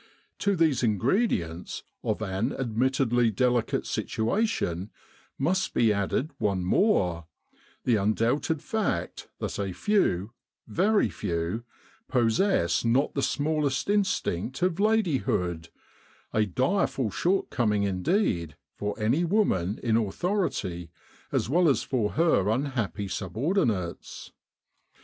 To these ingredients of an admittedly delicate situation must be added one more the undoubted fact that a few, very few, possess not the smallest instinct of lady hood, a direful shortcoming indeed for any woman in authority as well as for her unhappy subordinates.